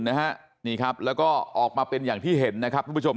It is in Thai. นะครับนี่ครับแล้วก็ออกมาเป็นอย่างที่เห็นนะครับทุกผู้ชม